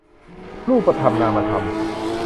รูปธรรมนามธรรม